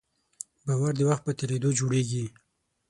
باور د وخت په تېرېدو جوړېږي.